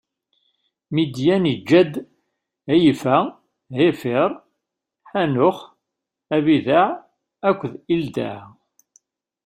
Midyan iǧǧa-d: Ɛiyfa, Ɛifiṛ, Ḥanux, Abidaɛ akked Ildaɛa.